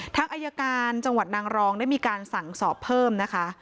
ทางอายการจังหวัดนางรองได้มีการสั่งสอบเพิ่มนะคะ